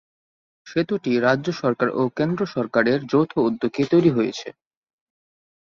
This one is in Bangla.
সেতুটি রাজ্য সরকার ও কেন্দ্র সরকারের যৌথ উদ্যোগে তৈরি হয়েছে।